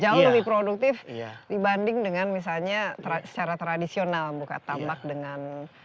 jauh lebih produktif dibanding dengan misalnya secara tradisional buka tambak dengan apa ada ya